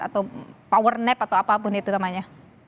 atau power nep atau apapun itu namanya